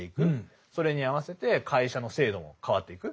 それに合わせて会社の制度も変わっていく。